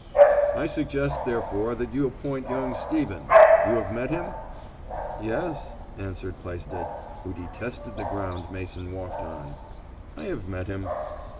"I suggest therefore that you appoint young Stevens you have met him?" "Yes," answered Plaisted, who detested the ground Mason walked on, "I have met him."